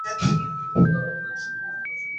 তাই তারা আনন্দে একসঙ্গে ফুর্তি করছিলো।